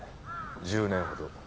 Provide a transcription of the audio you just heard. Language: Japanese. １０年ほど。